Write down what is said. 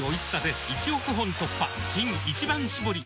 新「一番搾り」